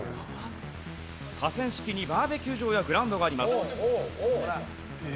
河川敷にバーベキュー場やグラウンドがあります。